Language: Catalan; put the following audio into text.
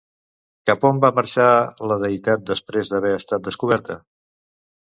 Cap on va marxar la deïtat després d'haver estat descoberta?